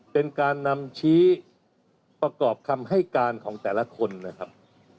เป็นการนำชี้ประกอบคำให้การของแต่ละคนนะครับ